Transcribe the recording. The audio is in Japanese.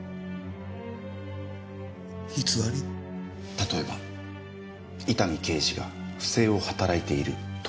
例えば伊丹刑事が不正を働いているとか。